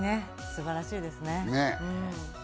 素晴らしいですね。